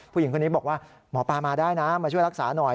ผู้หญิงคนนี้บอกว่าหมอปลามาได้นะมาช่วยรักษาหน่อย